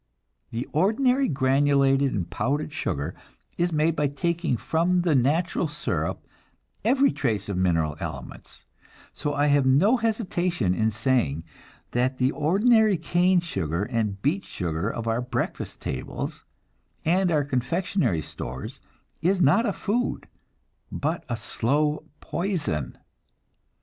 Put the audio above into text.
The ordinary granulated and powdered sugar is made by taking from the natural syrup every trace of mineral elements; so I have no hesitation in saying that the ordinary cane sugar and beet sugar of our breakfast tables and our confectionery stores is not a food, but a slow poison.